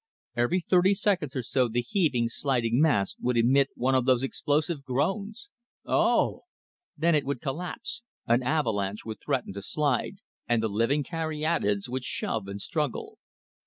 Every thirty seconds or so the heaving, sliding mass would emit one of those explosive groans: "O o o o o oh!" Then it would collapse, an avalanche would threaten to slide, and the living caryatids would shove and struggle.